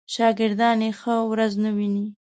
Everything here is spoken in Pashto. شاګردان یې ښه ورځ نه ویني.